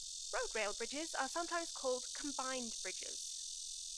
Road-rail bridges are sometimes called combined bridges.